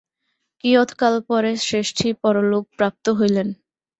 কিয়ৎ কাল পরে শ্রেষ্ঠী পরলোক প্রাপ্ত হইলেন।